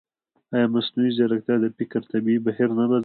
ایا مصنوعي ځیرکتیا د فکر طبیعي بهیر نه بدلوي؟